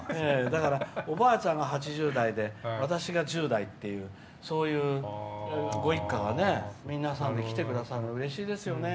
おばあちゃんが８０代で私が１０代っていうそういうご一家が皆さんで来てくださるのうれしいですよね。